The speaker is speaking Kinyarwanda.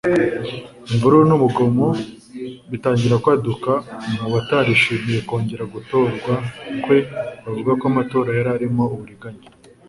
imvururu n’urugomo bitangira kwaduka mu batarishimiye kongera gutorwa kwe bavuga ko amatora yari arimo uburiganya